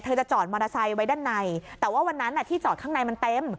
จะจอดมอเตอร์ไซค์ไว้ด้านในแต่ว่าวันนั้นที่จอดข้างในมันเต็ม